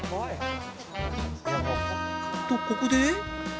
とここで